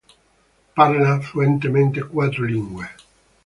Parla fluentemente quattro lingue.